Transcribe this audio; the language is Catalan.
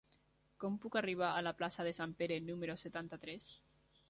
Com puc arribar a la plaça de Sant Pere número setanta-tres?